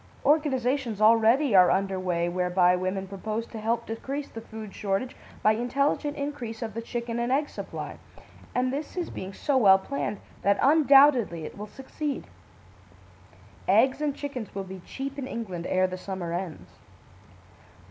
Organisations already are under way whereby women propose to help decrease the food shortage by intelligent increase of the chicken and egg supply, and this is being so well planned that undoubtedly it will succeed. Eggs and chickens will be cheap in England ere the summer ends.